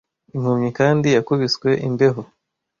Impumyi kandi yakubiswe, imbeho